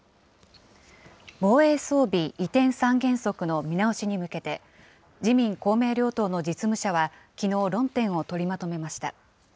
防衛装備移転三原則の見直しに向けて、自民、公明両党の実務者は、きのう、論点を取りまとめました。